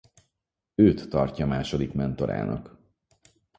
Őt tartja második mentorának.